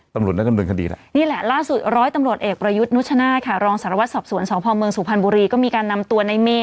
อ๋อตำรวจนักกำลังบึงค่ะดีล่ะนี่แหละล่าสุดร้อยตำรวจเอกประยุทธ์นุชนาคารองสารวัติสอบสวนสองพ่อเมืองสูบพันธ์บุรีก็มีการนำตัวในเมฆ